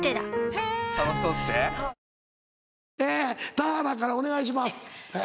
・田原からお願いします。